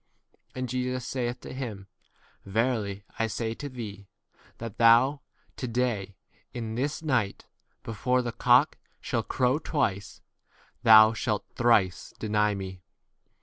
And Jesus saith to him, Verily I say to thee, that thou x to day, in this night, before the cock shall crow twice, thou 31 shalt thrice deny me.